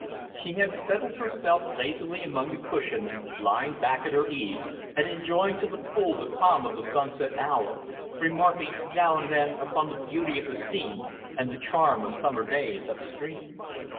She had settled herself lazily among the cushions, lying back at her ease and enjoying to the full the calm of the sunset hour, remarking now and then upon the beauty of the scene and the charm of summer days upstream.